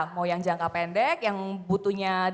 mau yang jangka pendek yang butuhnya